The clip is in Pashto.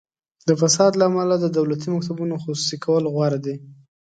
د فساد له امله د دولتي ملکیتونو خصوصي کول غوره دي.